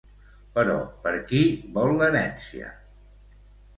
Però per qui vol l'herència?